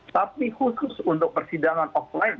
tapi khusus untuk persidangan offline